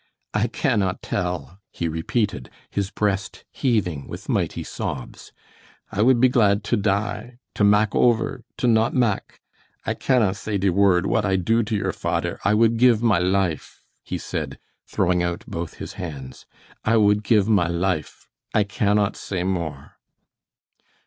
"I cannot tell," he repeated, his breast heaving with mighty sobs. "I would be glad to die to mak' over to not mak' I cannot say de word what I do to your fadder. I would give my life," he said, throwing out both his hands. "I would give my life. I cannot say more."